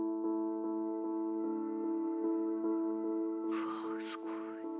うわすごい。